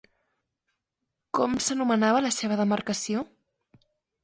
Com s'anomenava la seva demarcació?